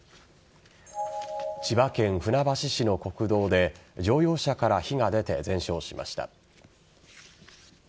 千葉県船橋市の国道で乗用車から火が出て全焼しました。